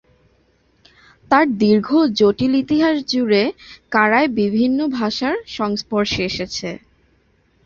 তার দীর্ঘ ও জটিল ইতিহাস জুড়ে কারায় বিভিন্ন ভাষার সংস্পর্শে এসেছে।